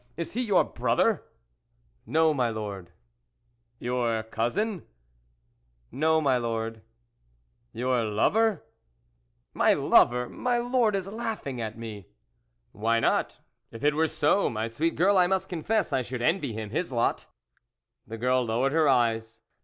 Is he your brother ?"" No, my Lord./ " Your cousin ?"" No, my Lord." " Your lover ?"" My lover ! My Lord is laughing at me." " Why not ? If it were so, my sweet girl, I must confess I should envy him his lot." The girl lowered her eyes.